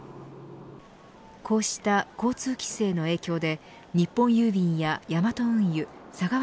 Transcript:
こうした交通規制の影響で日本郵便やヤマト運輸佐川